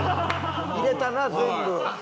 入れたな全部。